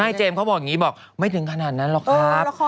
เจมส์เขาบอกอย่างนี้บอกไม่ถึงขนาดนั้นหรอกครับ